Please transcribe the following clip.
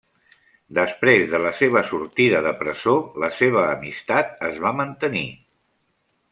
Després de la seva sortida de presó, la seva amistat es va mantenir.